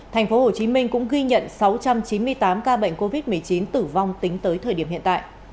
tp hcm cũng ghi nhận sáu trăm chín mươi tám ca bệnh covid một mươi chín tử vong tính tới thời điểm hiện tại